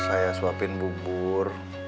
saya suapin bubur